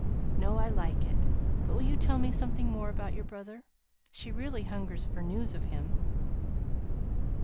"No; I like it. But will you tell me something more about your brother? She really hungers for news of him."